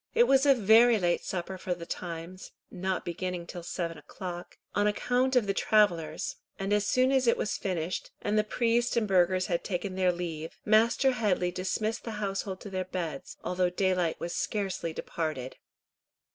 It was a very late supper for the times, not beginning till seven o'clock, on account of the travellers; and as soon as it was finished, and the priest and burghers had taken their leave, Master Headley dismissed the household to their beds, although daylight was scarcely departed.